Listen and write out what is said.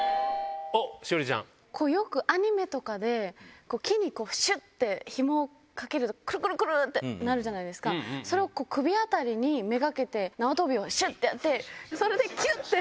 よくアニメとかで、木にしゅってひもをかけると、くるくるくるってなるじゃないですか、それを首辺りに目がけて、縄跳びをしゅってやって、それできゅって。